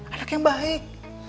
anak yang baik